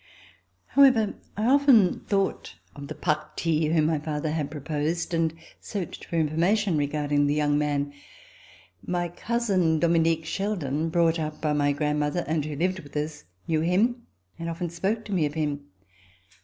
However, I often thought of the parti whom my father had proposed and searched for information regarding the young man. My cousin, Dominique Sheldon, brought up by my grandmother, and who lived with us, knew him and often spoke to me of him.